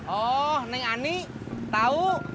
oh neng ani tahu